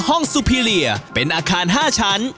ห้องสุพิลเลียเป็นอาคาร๕ชั้น